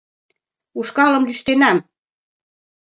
— Ушкалым лӱштенам.